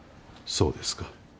そうですか。